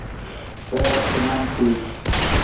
کَئے وخت نان ٹھیک